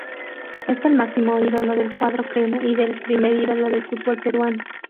Es el máximo ídolo del cuadro crema y el primer ídolo del fútbol peruano.